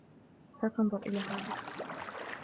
لا تنظر إلى هذا!